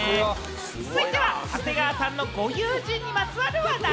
続いては長谷川さんのご友人にまつわる話題。